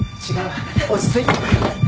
落ち着いて